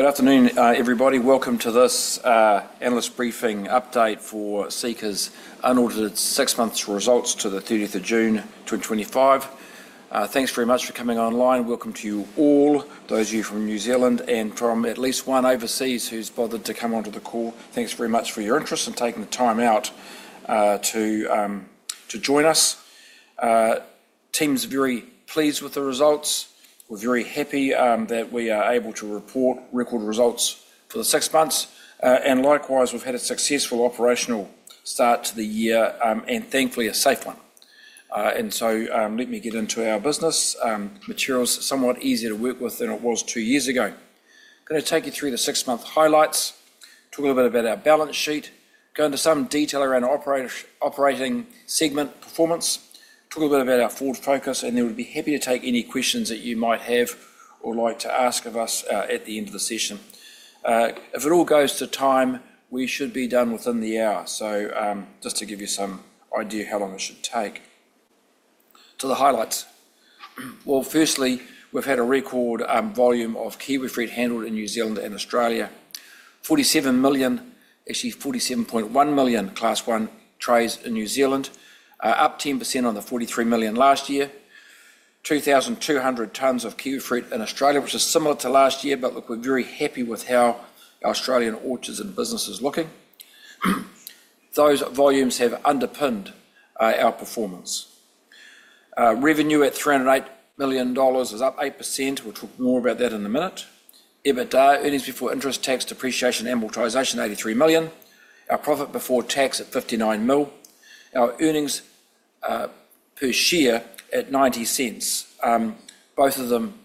Good afternoon, everybody. Welcome to this analyst briefing update for Seeka's unaudited six-month results to the 30th of June, 2025. Thanks very much for coming online. Welcome to you all, those of you from New Zealand and from at least one overseas who's bothered to come onto the call. Thanks very much for your interest and taking the time out to join us. Teams are very pleased with the results. We're very happy that we are able to report record results for the six months. Likewise, we've had a successful operational start to the year, and thankfully a safe one. Let me get into our business materials. It's somewhat easier to work with than it was two years ago. I'm going to take you through the six-month highlights, talk a little bit about our balance sheet, go into some detail around operating segment performance, talk a little bit about our forward focus, and then we'd be happy to take any questions that you might have or like to ask of us at the end of the session. If it all goes to time, we should be done within the hour. Just to give you some idea of how long it should take. To the highlights. Firstly, we've had a record volume of kiwifruit handled in New Zealand and Australia. 47 million, actually 47.1 million class one trays in New Zealand, up 10% on the 43 million last year. 2,200 tons of kiwifruit in Australia, which is similar to last year, but we're very happy with how Australian orchards and businesses are looking. Those volumes have underpinned our performance. Revenue at 308 million dollars is up 8%. We'll talk more about that in a minute. EBITDA, earnings before interest, tax, depreciation, amortization, 83 million. Our profit before tax at 59 million. Our earnings per share at 0.90.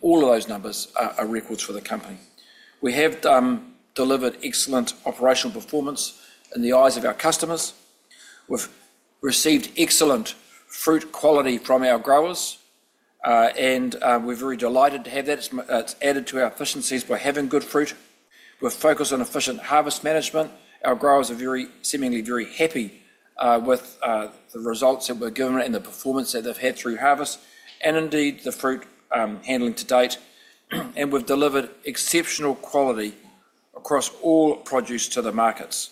All of those numbers are records for the company. We have delivered excellent operational performance in the eyes of our customers. We've received excellent fruit quality from our growers, and we're very delighted to have that. It's added to our efficiencies by having good fruit. We're focused on efficient harvest management. Our growers are seemingly very happy with the results that we're giving and the performance that they've had through harvest and indeed the fruit handling to date. We've delivered exceptional quality across all produce to the markets.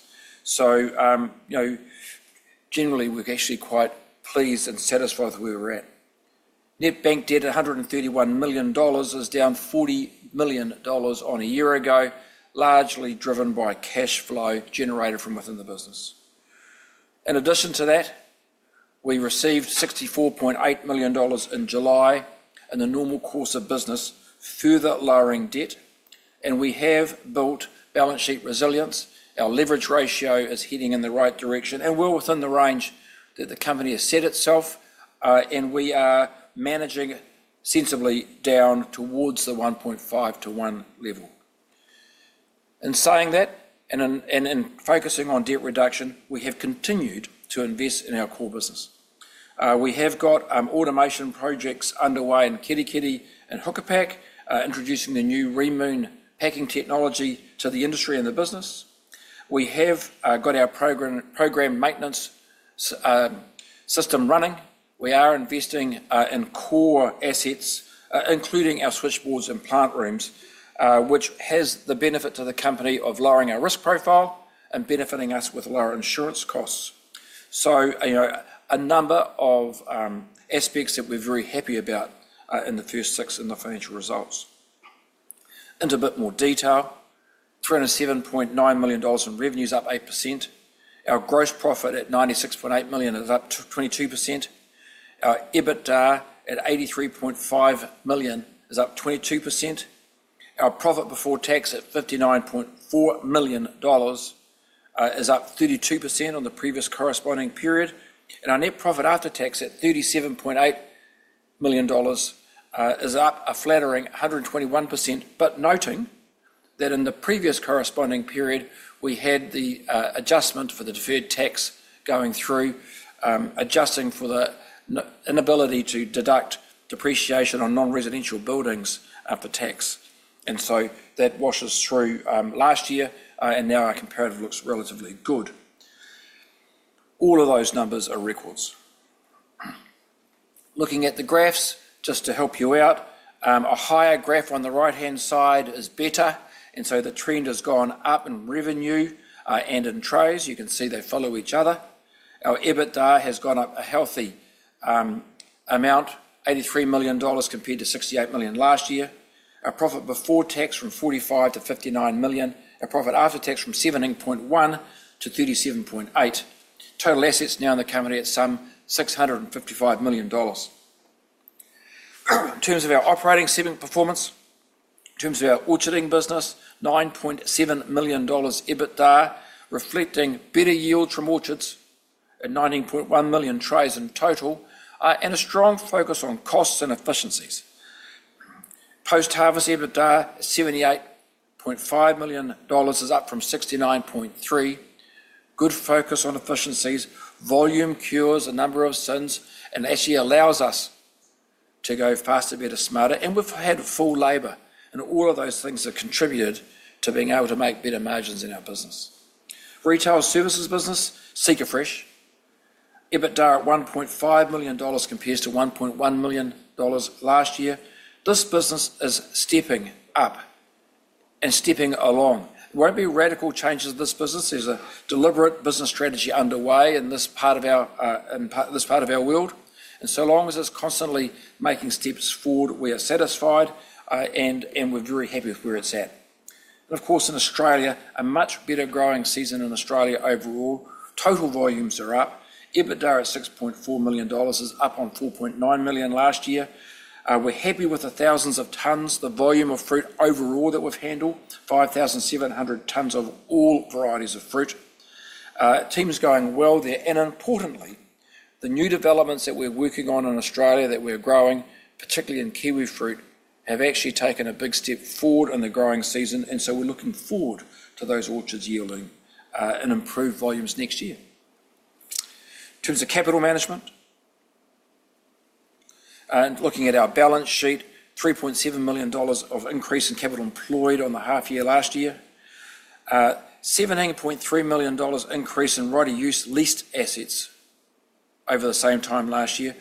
Generally, we're actually quite pleased and satisfied with where we're at. Net bank debt at 131 million dollars is down 40 million dollars on a year ago, largely driven by cash flow generated from within the business. In addition to that, we received 64.8 million dollars in July in the normal course of business, further lowering debt. We have built balance sheet resilience. Our leverage ratio is heading in the right direction, and we're within the range that the company has set itself, and we are managing sensibly down towards the 1.5 to 1 level. In saying that, and in focusing on debt reduction, we have continued to invest in our core business. We have got automation projects underway in Kerikeri and HukaPak, introducing the new REEMOON packing technology to the industry and the business. We have got our program maintenance system running. We are investing in core assets, including our switchboards and plant rooms, which has the benefit to the company of lowering our risk profile and benefiting us with lower insurance costs. A number of aspects that we're very happy about in the first six in the financial results. Into a bit more detail, 307.9 million dollars in revenue is up 8%. Our gross profit at 96.8 million is up 22%. Our EBITDA at 83.5 million is up 22%. Our profit before tax at 59.4 million dollars is up 32% on the previous corresponding period. Our net profit after tax at 37.8 million dollars is up a flattering 121%. Noting that in the previous corresponding period, we had the adjustment for the deferred tax going through, adjusting for the inability to deduct depreciation on non-residential buildings after tax. That washes through last year, and now our comparative looks relatively good. All of those numbers are records. Looking at the graphs, just to help you out, a higher graph on the right-hand side is better. The trend has gone up in revenue and in trays. You can see they follow each other. Our EBITDA has gone up a healthy amount, 83 million dollars compared to 68 million last year. Our profit before tax from 45 million to 59 million. Our profit after tax from 17.1 million to 37.8 million. Total assets now in the company at some 655 million dollars. In terms of our operating segment performance, in terms of our orcharding business, 9.7 million dollars EBITDA reflecting better yields from orchards and 19.1 million trays in total, and a strong focus on costs and efficiencies. Post-harvest EBITDA at NZD 78.5 million is up from 69.3 million. Good focus on efficiencies, volume cures, a number of SINs, and actually allows us to go faster, better, smarter, and we've had full labor, and all of those things have contributed to being able to make better margins in our business. Retail services business, Seeka Fresh, EBITDA at 1.5 million dollars compares to 1.1 million dollars last year. This business is stepping up and stepping along. It won't be radical changes to this business. There's a deliberate business strategy underway in this part of our world. As long as it's constantly making steps forward, we are satisfied, and we're very happy with where it's at. Of course, in Australia, a much better growing season in Australia overall. Total volumes are up. EBITDA at 6.4 million dollars is up on 4.9 million last year. We're happy with the thousands of tons, the volume of fruit overall that we've handled, 5,700 tons of all varieties of fruit. Teams going well there. Importantly, the new developments that we're working on in Australia that we're growing, particularly in kiwifruit, have actually taken a big step forward in the growing season. We're looking forward to those orchards yielding in improved volumes next year. In terms of capital management, looking at our balance sheet, 3.7 million dollars of increase in capital employed on the half year last year, 17.3 million dollars increase in right-of-use leased assets over the same time last year,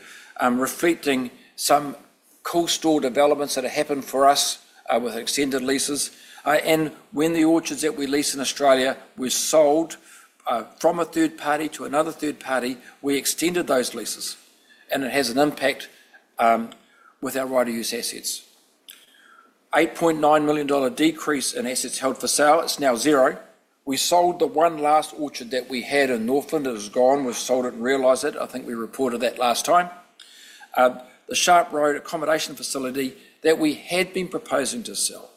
reflecting some core store developments that have happened for us with extended leases. When the orchards that we lease in Australia were sold from a third party to another third party, we extended those leases. It has an impact with our right-of-use assets. 8.9 million dollar decrease in assets held for sale. It's now zero. We sold the one last orchard that we had in Northland. It was gone. We've sold it and realized it. I think we reported that last time. The Sharp Road accommodation facility that we had been proposing to sell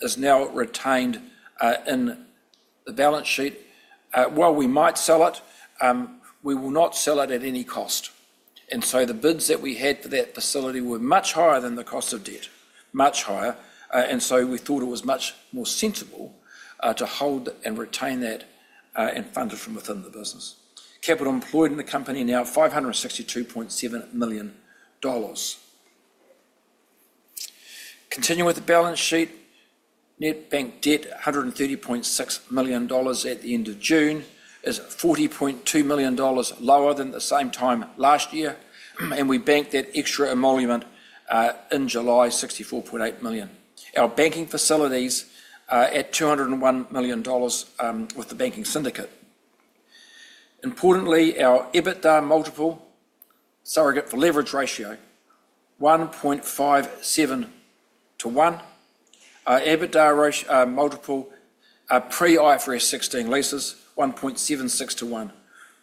is now retained in the balance sheet. While we might sell it, we will not sell it at any cost. The bids that we had for that facility were much higher than the cost of debt, much higher. We thought it was much more sensible to hold and retain that and fund it from within the business. Capital employed in the company now 562.7 million dollars. Continuing with the balance sheet, net bank debt 130.6 million dollars at the end of June is 40.2 million dollars lower than the same time last year. We banked that extra emolument in July, 64.8 million. Our banking facilities are at 201 million dollars with the banking syndicate. Importantly, our EBITDA multiple surrogate for leverage ratio, 1.57 to 1. Our EBITDA multiple pre-IFRS 16 leases, 1.76 to 1.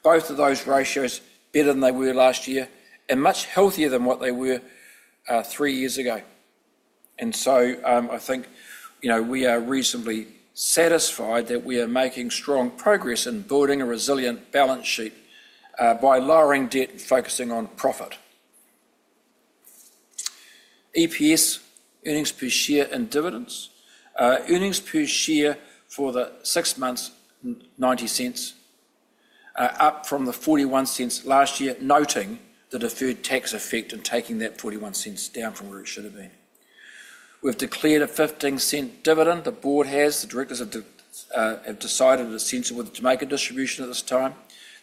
Both of those ratios are better than they were last year and much healthier than what they were three years ago. I think, you know, we are reasonably satisfied that we are making strong progress in building a resilient balance sheet by lowering debt and focusing on profit. EPS, earnings per share and dividends. Earnings per share for the six months, 0.90, up from 0.41 last year, noting the deferred tax effect and taking that 0.41 down from where it should have been. We've declared a 0.15 dividend. The board has, the directors have decided it is sensible to make a distribution at this time.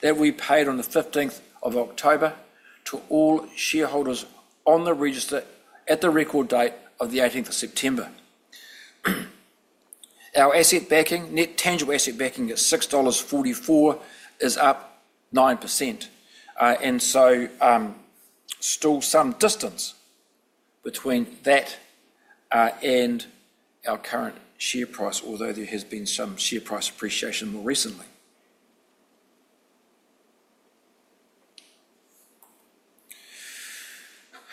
That will be paid on the 15th of October to all shareholders on the register at the record date of the 18th of September. Our asset backing, net tangible asset backing at 6.44 dollars is up 9%. There is still some distance between that and our current share price, although there has been some share price appreciation more recently.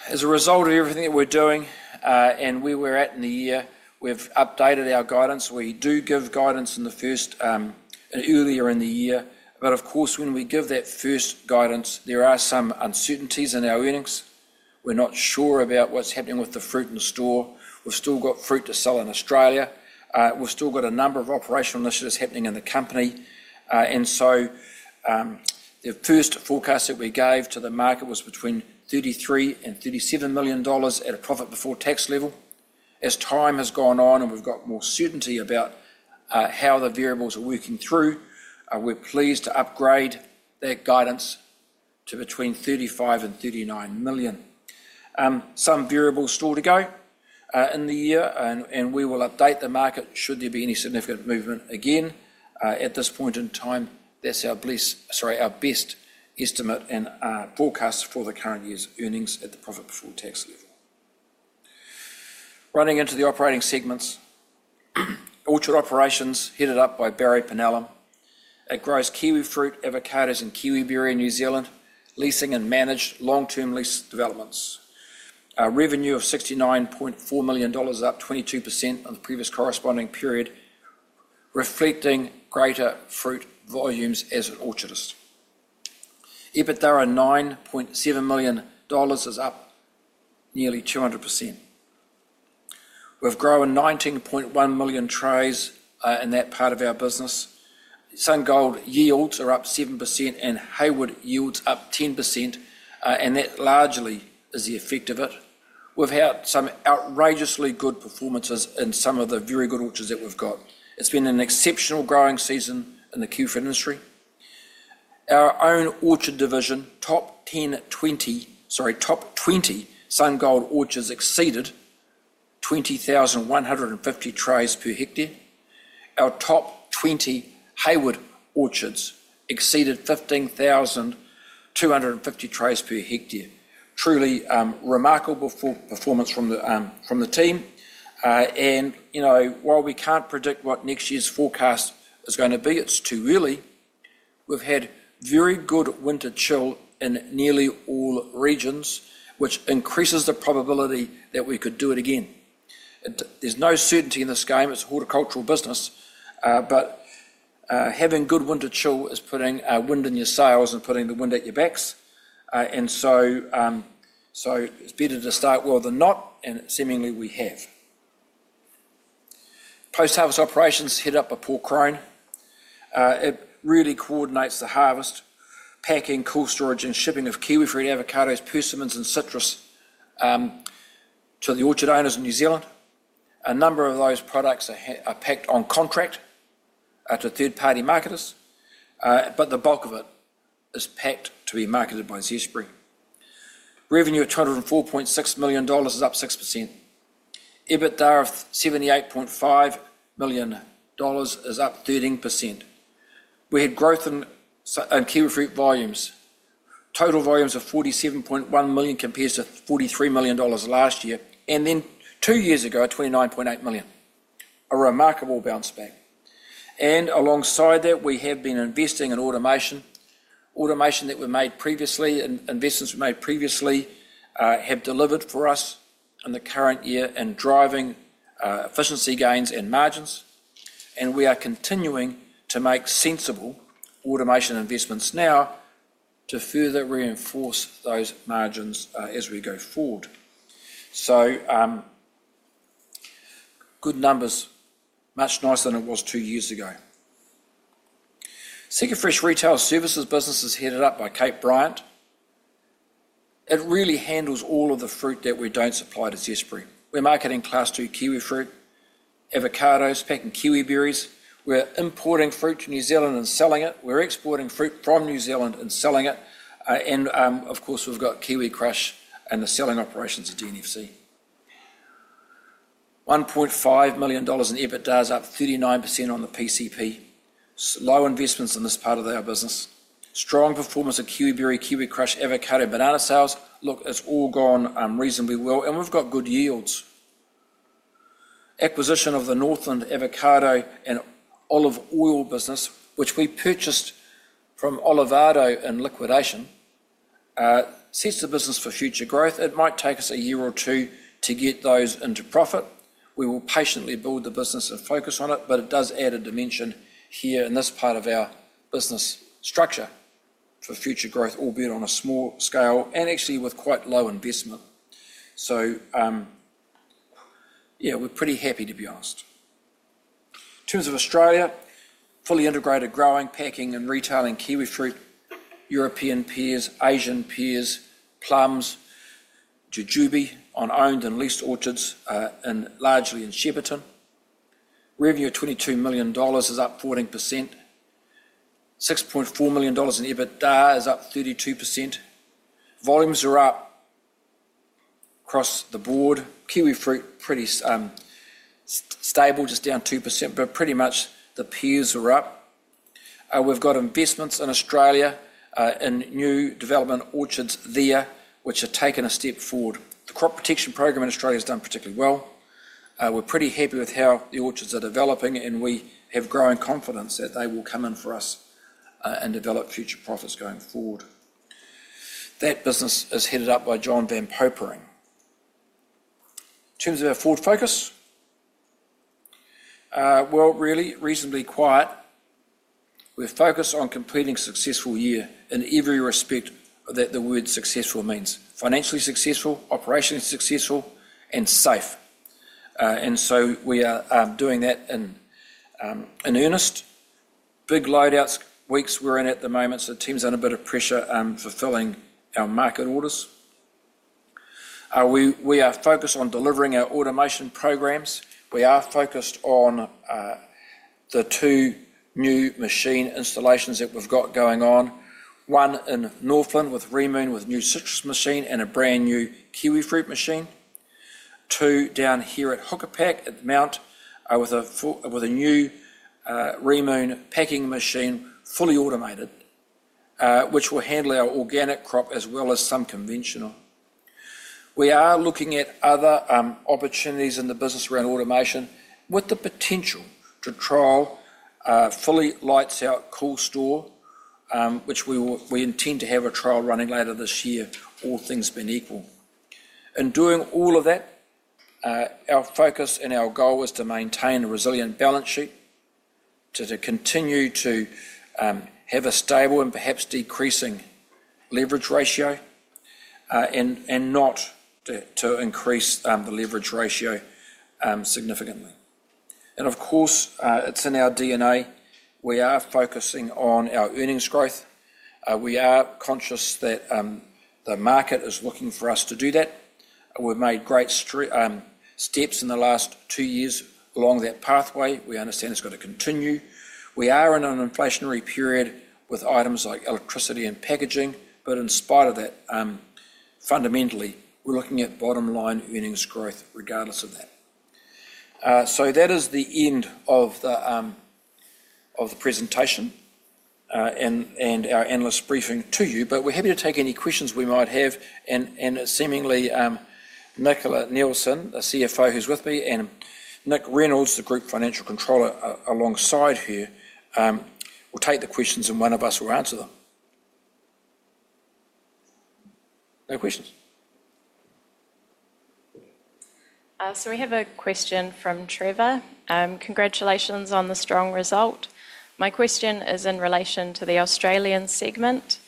As a result of everything that we're doing and where we're at in the year, we've updated our guidance. We do give guidance in the first and earlier in the year. Of course, when we give that first guidance, there are some uncertainties in our earnings. We're not sure about what's happening with the fruit in store. We've still got fruit to sell in Australia. We've still got a number of operational initiatives happening in the company. The first forecast that we gave to the market was between 33 million and 37 million dollars at a profit before tax level. As time has gone on and we've got more certainty about how the variables are working through, we're pleased to upgrade that guidance to between 35 million and 39 million. Some variables still to go in the year, and we will update the market should there be any significant movement again. At this point in time, that's our best estimate and forecast for the current year's earnings at the profit before tax level. Running into the operating segments, orchard operations headed up by Barry Penellum. It grows kiwifruit, avocado, and kiwi berry in New Zealand, leasing and managed long-term lease developments. A revenue of 69.4 million dollars is up 22% on the previous corresponding period, reflecting greater fruit volumes as an orchardist. EBITDA at 9.7 million dollars is up nearly 200%. We've grown 19.1 million trays in that part of our business. SunGold yields are up 7% and Hayward yields up 10%, and that largely is the effect of it. We've had some outrageously good performances in some of the very good orchards that we've got. It's been an exceptional growing season in the kiwifruit industry. Our own orchard division, top 20 SunGold orchards exceeded 20,150 trays per hectare. Our top 20 Hayward orchards exceeded 15,250 trays per hectare. Truly remarkable performance from the team. While we can't predict what next year's forecast is going to be, it's too early. We've had very good winter chill in nearly all regions, which increases the probability that we could do it again. There's no certainty in this game. It's a horticultural business, but having good winter chill is putting wind in your sails and putting the wind at your backs. It's better to start well than not, and seemingly we have. Post-harvest operations head up at Port Crone. It really coordinates the harvest, packing, cool storage, and shipping of kiwifruit, avocados, persimmons, and citrus to the orchard owners in New Zealand. A number of those products are packed on contract to third-party marketers, but the bulk of it is packed to be marketed by Zespri. Revenue of 204.6 million dollars is up 6%. EBITDA of 78.5 million dollars is up 13%. We had growth in kiwifruit volumes. Total volumes of 47.1 million compares to 43 million last year, and then two years ago, 29.8 million. A remarkable bounce back. Alongside that, we have been investing in automation. Automation that we made previously and investments we made previously have delivered for us in the current year in driving efficiency gains and margins. We are continuing to make sensible automation investments now to further reinforce those margins as we go forward. Good numbers, much nicer than it was two years ago. Seeka Fresh retail services business is headed up by Kate Bryant. It really handles all of the fruit that we don't supply to Zespri. We're marketing class two kiwifruit, avocados, packing kiwiberries. We're importing fruit to New Zealand and selling it. We're exporting fruit from New Zealand and selling it. Of course, we've got Kiwi Crush and the selling operations at DNFC. 1.5 million dollars in EBITDA is up 39% on the PCP. Low investments in this part of our business. Strong performance of kiwiberry, Kiwi Crush, avocado, banana sales. Look, it's all gone reasonably well, and we've got good yields. Acquisition of the Northland avocado and olive oil business, which we purchased from Olivado in liquidation, sets the business for future growth. It might take us a year or two to get those into profit. We will patiently build the business and focus on it, but it does add a dimension here in this part of our business structure for future growth, albeit on a small scale and actually with quite low investment. Yeah, we're pretty happy to be honest. In terms of Australia, fully integrated growing, packing, and retailing kiwifruit, European peers, Asian peers, plums, jujube on owned and leased orchards and largely in Shepparton. Revenue of 22 million dollars is up 14%. 6.4 million dollars in EBITDA is up 32%. Volumes are up across the board. Kiwifruit pretty stable, just down 2%, but pretty much the peers are up. We've got investments in Australia in new development orchards there, which have taken a step forward. The crop protection program in Australia has done particularly well. We're pretty happy with how the orchards are developing, and we have growing confidence that they will come in for us and develop future profits going forward. That business is headed up by John van Popering. In terms of our forward focus, we're really reasonably quiet. We're focused on completing a successful year in every respect that the word successful means. Financially successful, operationally successful, and safe. We are doing that in earnest. Big loadout weeks we're in at the moment, so teams are under a bit of pressure fulfilling our market orders. We are focused on delivering our automation programs. We are focused on the two new machine installations that we've got going on. One in Northland with REEMOON with new citrus machine and a brand new kiwifruit machine. Two down here at HukaPak at the Mount with a new REEMOON packing machine, fully automated, which will handle our organic crop as well as some conventional. We are looking at other opportunities in the business around automation with the potential to trial a fully lights-out core store, which we intend to have a trial running later this year, all things being equal. In doing all of that, our focus and our goal is to maintain a resilient balance sheet, to continue to have a stable and perhaps decreasing leverage ratio, and not to increase the leverage ratio significantly. Of course, it's in our DNA. We are focusing on our earnings growth. We are conscious that the market is looking for us to do that. We've made great steps in the last two years along that pathway. We understand it's going to continue. We are in an inflationary period with items like electricity and packaging, but in spite of that, fundamentally, we're looking at bottom line earnings growth regardless of that. That is the end of the presentation and our analyst briefing to you. We're happy to take any questions we might have. Nicola Neilson, the CFO who's with me, and Nick Reynolds, the Group Financial Controller alongside here, will take the questions and one of us will answer them. No questions. We have a question from Trevor. Congratulations on the strong result. My question is in relation to the Australian segment.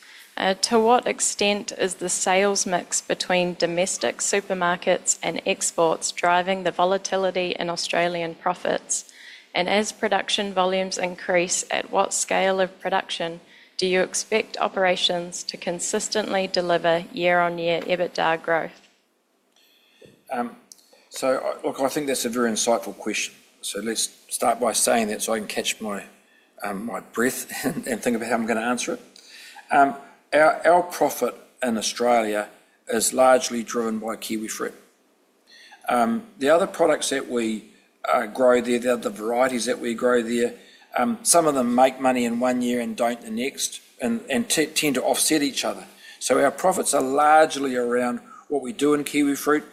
To what extent is the sales mix between domestic supermarkets and exports driving the volatility in Australian profits? As production volumes increase, at what scale of production do you expect operations to consistently deliver year-on-year EBITDA growth? I think that's a very insightful question. Let's start by saying that so I can catch my breath and think about how I'm going to answer it. Our profit in Australia is largely driven by kiwifruit. The other products that we grow there, the varieties that we grow there, some of them make money in one year and don't the next and tend to offset each other. Our profits are largely around what we do in kiwifruit.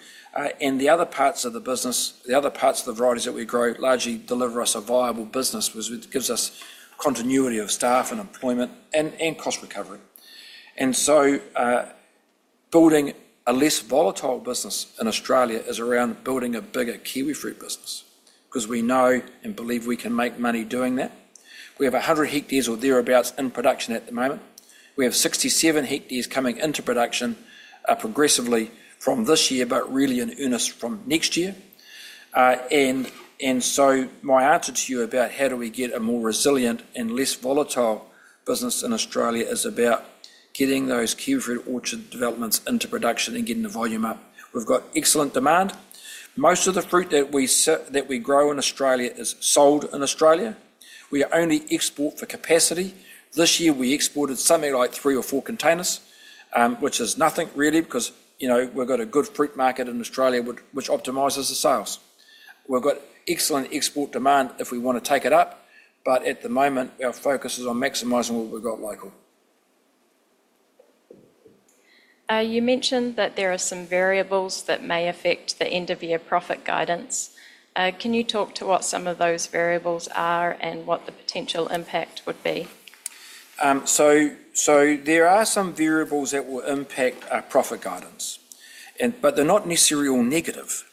The other parts of the business, the other parts of the varieties that we grow, largely deliver us a viable business, which gives us continuity of staff and employment and cost recovery. Building a less volatile business in Australia is around building a bigger kiwifruit business because we know and believe we can make money doing that. We have 100 hectares or thereabouts in production at the moment. We have 67 hectares coming into production progressively from this year, but really in earnest from next year. My answer to you about how do we get a more resilient and less volatile business in Australia is about getting those kiwifruit orchard developments into production and getting the volume up. We've got excellent demand. Most of the fruit that we grow in Australia is sold in Australia. We only export for capacity. This year, we exported something like three or four containers, which is nothing really because we've got a good fruit market in Australia, which optimizes the sales. We've got excellent export demand if we want to take it up, but at the moment, our focus is on maximizing what we've got, Michael. You mentioned that there are some variables that may affect the end-of-year profit guidance. Can you talk to what some of those variables are and what the potential impact would be? There are some variables that will impact our profit guidance, but they're not necessarily all negative.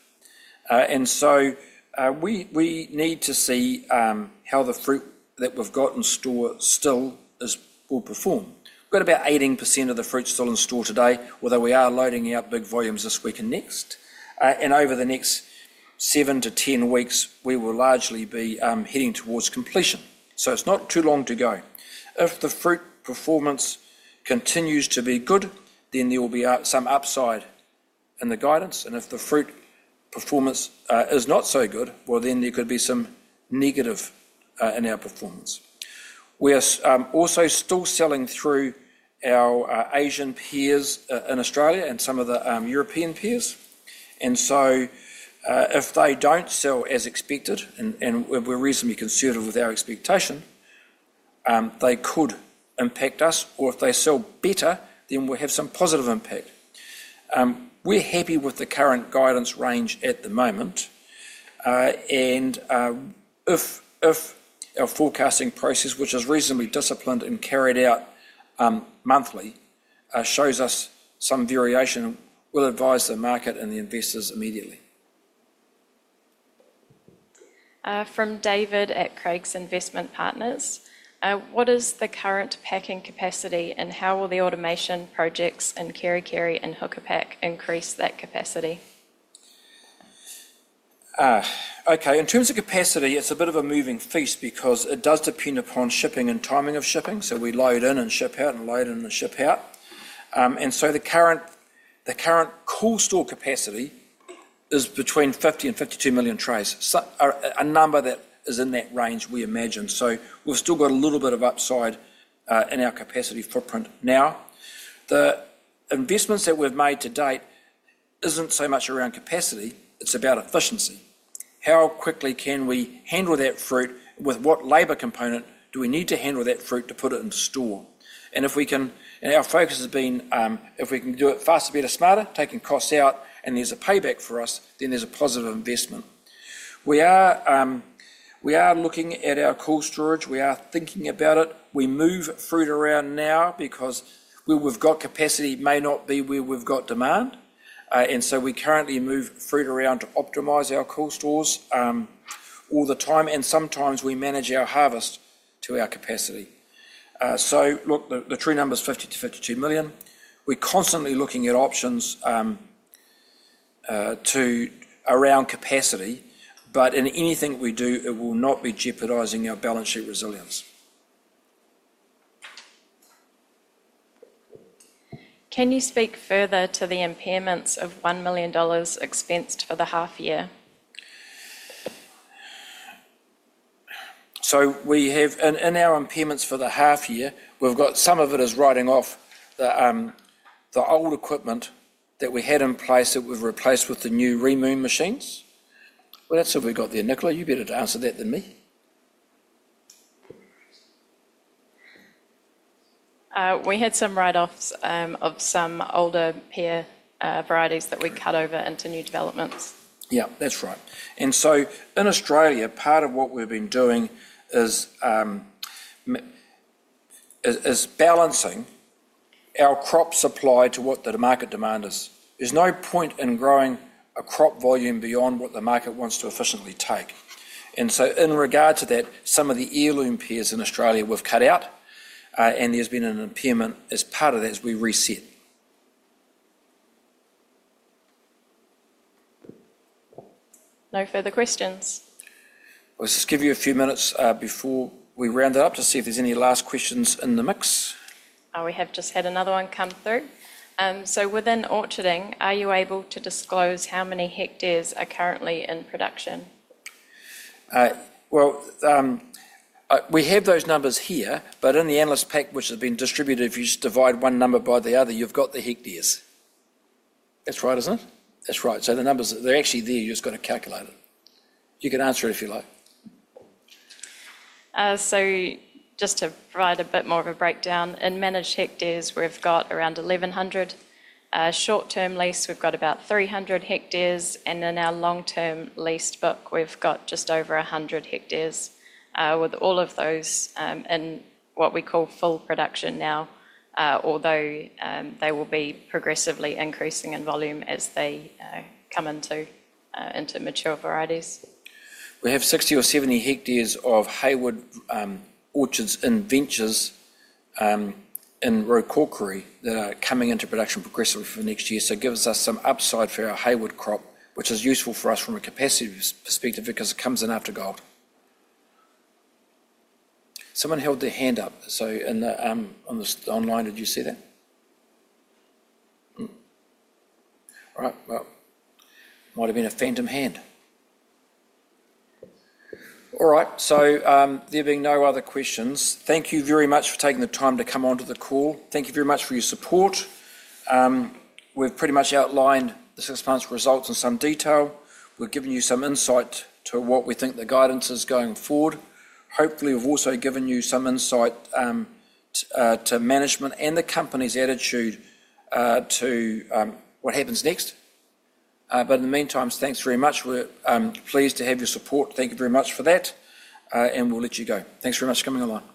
We need to see how the fruit that we've got in store still is performing. We've got about 18% of the fruit still in store today, although we are loading out big volumes this week and next. Over the next seven to 10 weeks, we will largely be heading towards completion. It's not too long to go. If the fruit performance continues to be good, then there will be some upside in the guidance. If the fruit performance is not so good, then there could be some negative in our performance. We are also still selling through our Asian peers in Australia and some of the European peers. If they don't sell as expected, and we're reasonably conservative with our expectation, they could impact us. If they sell better, then we'll have some positive impact. We're happy with the current guidance range at the moment. If our forecasting process, which is reasonably disciplined and carried out monthly, shows us some variation, we'll advise the market and the investors immediately. From David at Craig's Investment Partners, what is the current packing capacity, and how will the automation projects in Kerikeri and HukaPak increase that capacity? Okay, in terms of capacity, it's a bit of a moving feast because it does depend upon shipping and timing of shipping. We load in and ship out and load in and ship out. The current core store capacity is between 50 million and 52 million trays, a number that is in that range, we imagine. We've still got a little bit of upside in our capacity footprint now. The investments that we've made to date aren't so much around capacity. It's about efficiency. How quickly can we handle that fruit? With what labor component do we need to handle that fruit to put it in store? If we can, and our focus has been, if we can do it faster, better, smarter, taking costs out, and there's a payback for us, then there's a positive investment. We are looking at our core storage. We are thinking about it. We move fruit around now because where we've got capacity may not be where we've got demand. We currently move fruit around to optimize our core stores all the time. Sometimes we manage our harvest to our capacity. The true number is 50 million-52 million. We're constantly looking at options around capacity. In anything we do, it will not be jeopardizing our balance sheet resilience. Can you speak further to the impairments of 1 million dollars expensed for the half year? In our impairments for the half year, we've got some of it is writing off the old equipment that we had in place that we've replaced with the new REEMOON machines. That's what we've got there. Nicola, you better answer that than me. We had some write-offs of some older pear varieties that we cut over into new developments. Yeah, that's right. In Australia, part of what we've been doing is balancing our crop supply to what the market demand is. There's no point in growing a crop volume beyond what the market wants to efficiently take. In regard to that, some of the heirloom pears in Australia we've cut out, and there's been an impairment as part of that as we reset. No further questions. Let's just give you a few minutes before we round it up to see if there's any last questions in the mix. We have just had another one come through. Within orcharding, are you able to disclose how many hectares are currently in production? We have those numbers here, but in the analyst pack, which has been distributed, if you just divide one number by the other, you've got the hectares. That's right, isn't it? That's right. The numbers, they're actually there. You've just got to calculate it. You can answer it if you like. To provide a bit more of a breakdown, in managed hectares, we've got around 1,100 hectares. Short-term lease, we've got about 300 hectares, and in our long-term leased book, we've got just over 100 hectares, with all of those in what we call full production now, although they will be progressively increasing in volume as they come into mature varieties. We have 60 hectares or 70 hectares of Hayward orchards and ventures in [Row Caulquarry] that are coming into production progressively for next year. It gives us some upside for our Hayward crop, which is useful for us from a capacity perspective because it comes in after Gulp. Someone held their hand up. Online, did you see that? It might have been a phantom hand. There being no other questions, thank you very much for taking the time to come onto the call. Thank you very much for your support. We've pretty much outlined the six-month results in some detail. We've given you some insight to what we think the guidance is going forward. Hopefully, we've also given you some insight to management and the company's attitude to what happens next. In the meantime, thanks very much. We're pleased to have your support. Thank you very much for that. We'll let you go. Thanks very much for coming along.